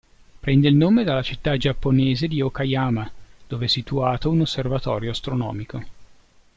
Prende il nome dalla città giapponese di Okayama, dove è situato un osservatorio astronomico.